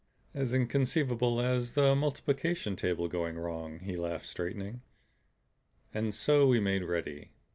"As inconceivable as the multiplication table going wrong," he laughed, straightening. And so we made ready.